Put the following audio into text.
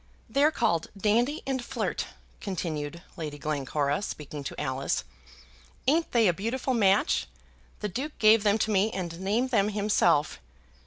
"They're called Dandy and Flirt," continued Lady Glencora, speaking to Alice. "Ain't they a beautiful match? The Duke gave them to me and named them himself.